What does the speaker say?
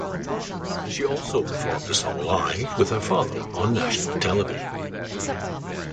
She also performed the song live with her father on national television.